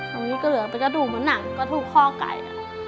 ตรงนี้ก็เหลือกไปกระดูกเหมือนหนังก็ทุกข้อไกล